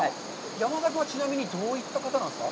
山田君は、ちなみに、どういった方なんですか。